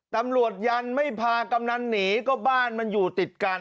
ตำรวจยันไม่พากำนันหนีก็บ้านมันอยู่ติดกัน